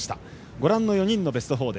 ご覧の４人のベスト４。